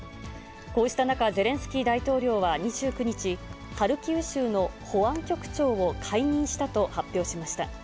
こうした中、ゼレンスキー大統領は２９日、ハルキウ州の保安局長を解任したと発表しました。